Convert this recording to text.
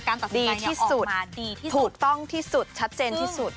การตัดสินใจอย่าออกมาดีที่สุดถูกต้องที่สุดชัดเจนที่สุด